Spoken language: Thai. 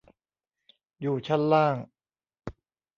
อยู่ชั้นล่าง